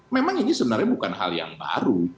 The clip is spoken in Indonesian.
memang ini sebenarnya bukan hal yang baru